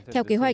theo kế hoạch